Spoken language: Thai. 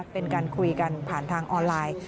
เป็นการคุยกันผ่านทางออนไลน์